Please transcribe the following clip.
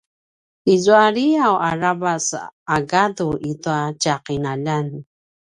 izua liyaw a ravac a gadu i tua tja qinaljan